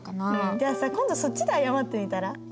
じゃあさ今度そっちで謝ってみたら？